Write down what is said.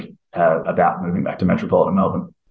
kita tidak akan berpikir pikir untuk berpindah ke melbourne